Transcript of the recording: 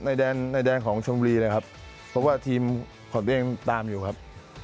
ในแดนในแดนของชมบุรีเลยครับเพราะว่าทีมของตัวเองตามอยู่ครับ